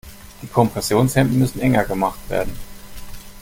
Die Kompressionshemden müssen enger gemacht werden.